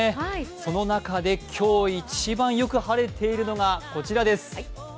その中で今日一番よく晴れているのがこちらです。